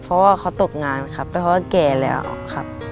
เพราะว่าเขาตกงานครับเพราะว่าแก่แล้วครับ